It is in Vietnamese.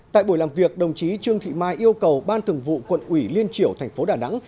tại buổi làm việc đồng chí trương thị mai yêu cầu ban thường vụ quận ủy liên triểu thành phố đà nẵng